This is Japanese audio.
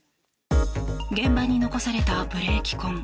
現場に残されたブレーキ痕。